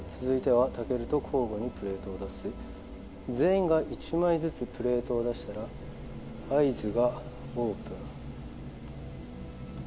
「続いては健と交互にプレートを出す」「全員が１枚ずつプレートを出したら」「合図がオープン」